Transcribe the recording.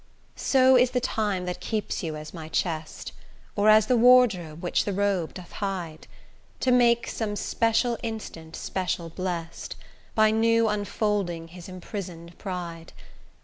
So is the time that keeps you as my chest, Or as the wardrobe which the robe doth hide, To make some special instant special blest, By new unfolding his imprison'd pride.